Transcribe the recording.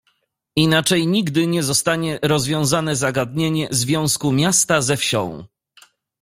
"Inaczej nigdy nie zostanie rozwiązane zagadnienie związku miasta ze wsią“."